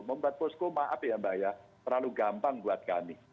membuat posko maaf ya mbak ya terlalu gampang buat kami